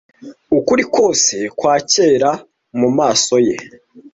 ukuri kwose kwakera mumaso ye